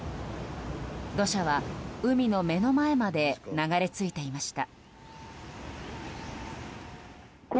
土砂は、海の目の前まで流れ着いていました。